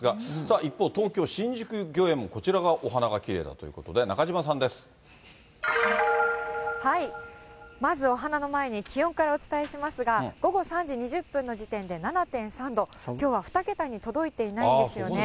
一方、東京・新宿御苑もこちらがお花がきれいだということで、まず、お花の前に気温からお伝えしますが、午後３時２０分の時点で７．３度、きょうは２桁に届いていないんですよね。